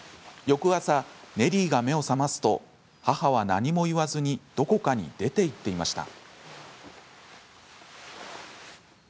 翌朝、ネリーが目を覚ますと母は何も言わずにどこかに出ていっていました。